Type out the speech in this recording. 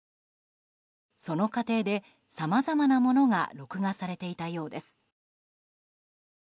その過程でさまざまなものが録画されていたようです。